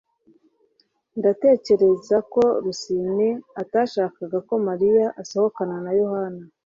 Ndatekereza ko Rusine atashakaga ko Mariya asohokana na Yohana